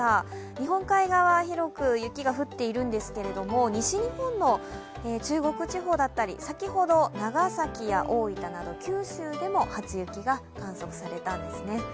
日本海側は広く雪が降っているんですけれども西日本の中国地方だったり、先ほど長崎や大分など九州でも初雪が観測されたんですね。